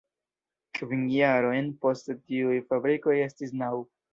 Kvin jarojn poste tiuj fabrikoj estis naŭ.